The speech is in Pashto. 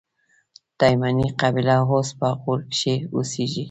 تایمني قبیله اوس په غور کښي اوسېږي.